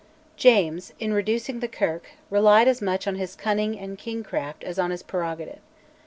James, in reducing the Kirk, relied as much on his cunning and "kingcraft" as on his prerogative.